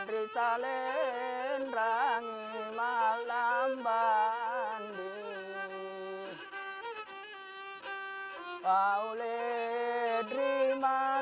oh arcu saat ini baiknya dengan gensis rambang